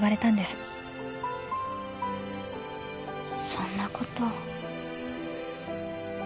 そんなこと？